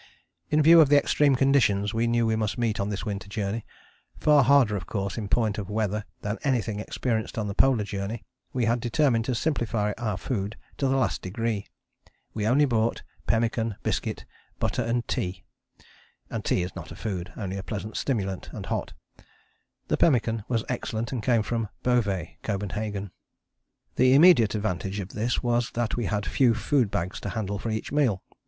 In view of the extreme conditions we knew we must meet on this winter journey, far harder of course in point of weather than anything experienced on the Polar Journey, we had determined to simplify our food to the last degree. We only brought pemmican, biscuit, butter and tea: and tea is not a food, only a pleasant stimulant, and hot: the pemmican was excellent and came from Beauvais, Copenhagen. [Illustration: CAMP WORK IN A BLIZZARD, PASSING IN THE COOKER E. A. Wilson, del.] The immediate advantage of this was that we had few food bags to handle for each meal.